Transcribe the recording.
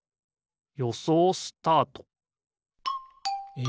よそうスタート！え